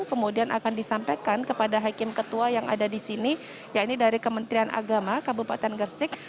kemudian akan disampaikan kepada hakim ketua yang ada di sini ya ini dari kementerian agama kabupaten gersik